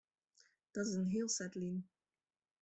Dat is al in heel set lyn.